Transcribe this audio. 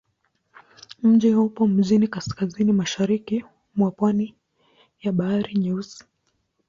Mji upo mjini kaskazini-mashariki mwa pwani ya Bahari Nyeusi.